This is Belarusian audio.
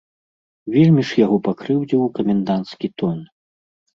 Вельмі ж яго пакрыўдзіў каменданцкі тон.